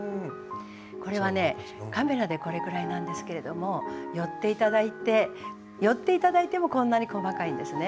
これはねカメラでこれくらいなんですけれども寄って頂いて寄って頂いてもこんなに細かいんですね。